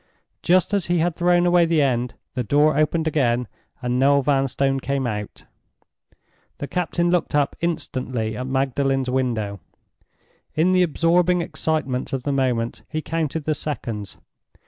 Just as he had thrown away the end, the door opened again and Noel Vanstone came out. The captain looked up instantly at Magdalen's window. In the absorbing excitement of the moment, he counted the seconds.